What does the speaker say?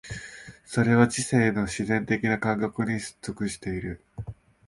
それは知性の自然的な感覚に属している。